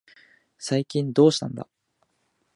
最近どうしたんだ。